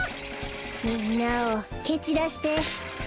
みんなをけちらして。